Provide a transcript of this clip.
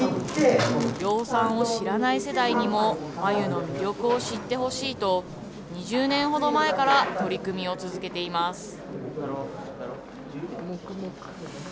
養蚕を知らない世代にも繭の魅力を知ってほしいと、２０年ほど前から取り組みを続けています。